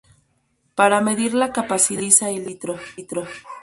Para medir la capacidad se utiliza el litro.